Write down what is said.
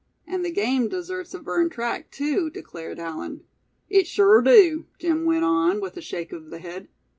"And the game deserts a burned tract, too," declared Allan. "It sure dew," Jim went on, with a shake of the head.